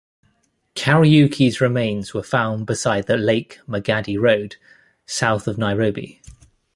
'Kariuki's remains were found beside the Lake Magadi Road, south of Nairobi.